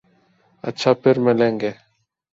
اچھا ، پرملیں گے